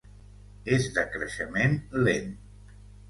És de creixement lent.